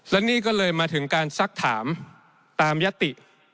และนี่ก็เลยมาถึงการซักถามตามยติ